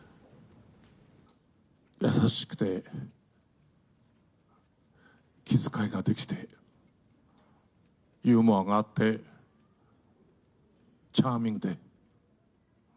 優しくて気遣いができて、ユーモアがあって、チャーミングで。